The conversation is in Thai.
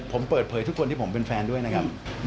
ผมเปิดเผยทุกคนที่ผมเป็นแฟนด้วยนะครับ